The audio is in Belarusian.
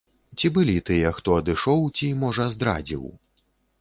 Ці былі тыя хто адышоў, ці, можа, здрадзіў?